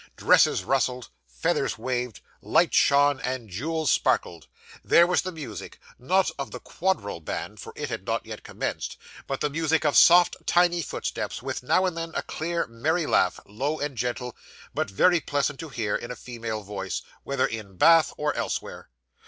Dresses rustled, feathers waved, lights shone, and jewels sparkled. There was the music not of the quadrille band, for it had not yet commenced; but the music of soft, tiny footsteps, with now and then a clear, merry laugh low and gentle, but very pleasant to hear in a female voice, whether in Bath or elsewhere.